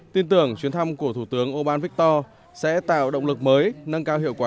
tin tưởng chuyến thăm của thủ tướng oban viktor sẽ tạo động lực mới nâng cao hiệu quả